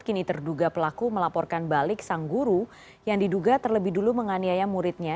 kini terduga pelaku melaporkan balik sang guru yang diduga terlebih dulu menganiaya muridnya